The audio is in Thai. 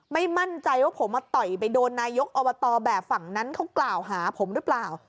ไม่มั่นใจว่าผมมาต่อยไปโดนนายกอบตแบบฝั่งนั้นเขากล่าวหาผมหรือเปล่า